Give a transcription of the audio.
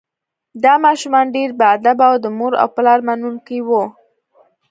دا ماشومان ډیر باادبه او د مور او پلار منونکي وو